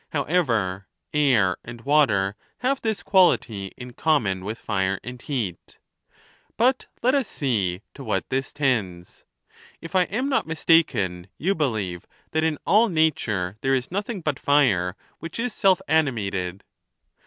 However, air and water have this quality in common with fire and heat. But let us see to what this tends. If I am not mistaken, you believe that in all nature there is nothing but fire, which is self animated.